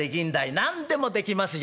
「何でもできますよ。